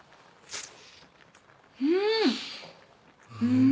うん！